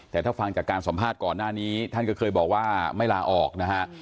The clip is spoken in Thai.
แต่ถ้าฟังจากการสัมภาษณ์ก่อนหน้านี้ท่านก็เคยบอกว่าไม่ลาออกนะฮะ